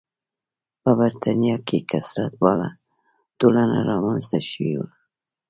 په برېټانیا کې کثرت پاله ټولنه رامنځته شوې وه.